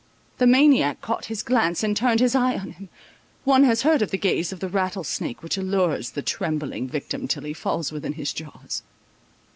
The maniac caught his glance, and turned his eye on him— one has heard of the gaze of the rattle snake, which allures the trembling victim till he falls within his jaws.